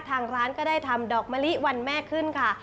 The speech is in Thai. ทางร้านก็ได้ทำดอกมะลิวันแม่ขึ้นค่ะ